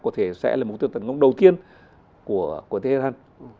có thể sẽ là mục tiêu tấn công đầu tiên của thế giới iran